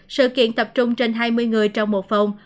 sự kiện tập trung trên hai mươi người trong một phòng